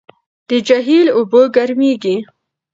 د جهیل اوبه ګرمېږي.